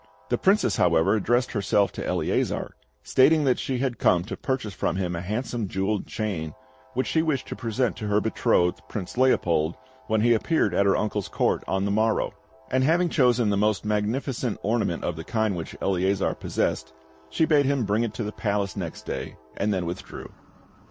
The Princess, however, addressed herself to Eleazar, stating that she had come to purchase from him a handsome jewelled chain, which she wished to present to her betrothed, Prince Leopold, when he appeared at her uncle's Court on the morrow; and having chosen the most magnificent ornament of the kind which Eleazar possessed, she bade him bring it to the Palace next day, and then withdrew.